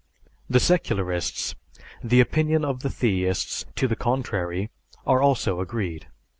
The secularists, the opinion of the theists to the contrary, are also agreed.